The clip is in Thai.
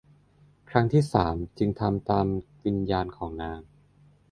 ครั้งที่สามจึงตามวิญญาณของนาง